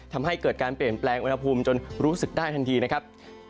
ทำให้เกิดการเปลี่ยนแปลงอุณหภูมิจนรู้สึกได้ทันทีนะครับ